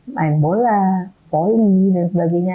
main bola polling dan sebagainya